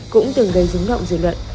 cũng từng gây dứng động dự luận